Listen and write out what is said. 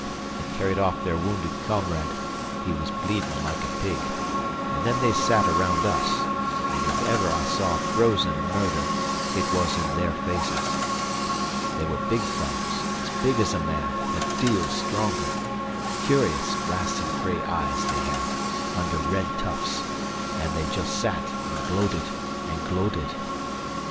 They carried off their wounded comrade he was bleedin' like a pig and then they sat around us, and if ever I saw frozen murder it was in their faces. They were big fellows, as big as a man and a deal stronger. Curious glassy gray eyes they have, under red tufts, and they just sat and gloated and gloated.